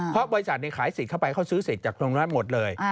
เพราะบริษัทขายสิทธิ์เข้าไปเขาซื้อสิทธิ์จากตรงนั้นหมดเลย